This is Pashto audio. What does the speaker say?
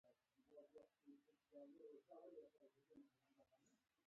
د بل وکتور سره موازي او مساوي قطعه خط رسموو.